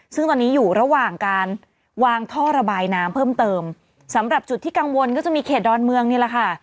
ซึ่งตอนนี้อยู่ระหว่างการวางท่อระบายน้ำเพิ่มเติมสำหรับจุดที่กังวลก็จะมีเขตดอนเมืองนี่แหละค่ะ